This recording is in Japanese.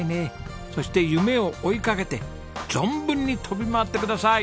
そして夢を追いかけて存分に飛び回ってください！